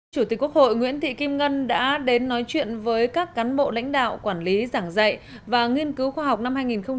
chủ tịch quốc hội nguyễn thị kim ngân đã đến nói chuyện với các cán bộ lãnh đạo quản lý giảng dạy và nghiên cứu khoa học năm hai nghìn một mươi chín